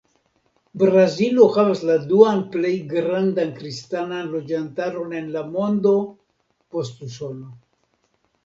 Brazilo havas la duan plej grandan kristanan loĝantaron en la mondo post Usono.